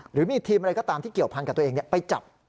หรือมีทีมอะไรก็ตามที่เกี่ยวพันกับตัวเองไปจับ